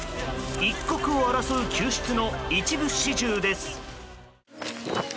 一刻を争う救出の一部始終です。